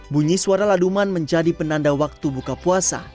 bunyi suara laduman menjadi penanda waktu buka puasa